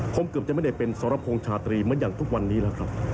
ผมเกือบจะไม่ได้เป็นสรพงษ์ชาตรีเหมือนอย่างทุกวันนี้แล้วครับ